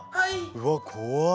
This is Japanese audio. うわっ怖っ。